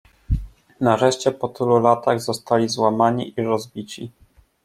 "Nareszcie, po tylu latach, zostali złamani i rozbici."